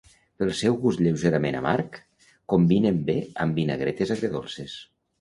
Pel seu gust lleugerament amarg, combinen bé amb vinagretes agredolces.